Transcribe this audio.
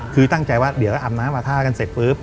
คือตั้งใจว่าเดี๋ยวก็อาบน้ำอาท่ากันเสร็จปุ๊บ